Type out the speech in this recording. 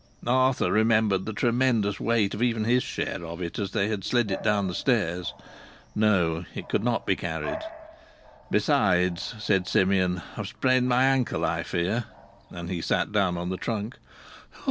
Arthur remembered the tremendous weight of even his share of it as they had slid it down the stairs. No. It could not be carried. "Besides," said Simeon, "I've sprained my ankle, I fear." And he sat down on the trunk.